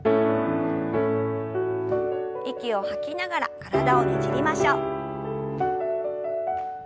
息を吐きながら体をねじりましょう。